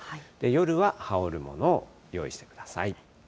夜は羽織るものを用意してください。